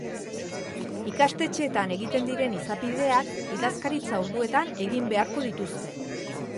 Ikastetxeetan egiten diren izapideak idazkaritza orduetan egin beharko dituzte.